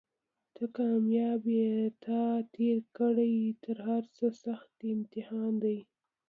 ته کامیاب یې تا تېر کړی تر هرڅه سخت امتحان دی